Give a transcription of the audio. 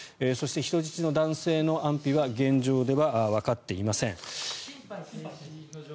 そして人質の男性の安否は現状ではわかっていません。